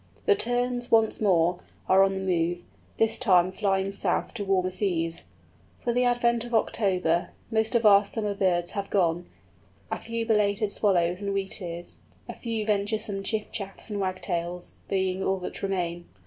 The Terns, once more, are on the move, this time flying south to warmer seas. With the advent of October, most of our summer birds have gone, a few belated Swallows and Wheatears, a few venturesome Chiffchaffs and Wagtails, being all that remain.